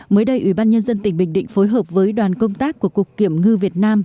mới đây ủy ban nhân dân tỉnh bình định phối hợp với đoàn công tác của cục kiểm ngư việt nam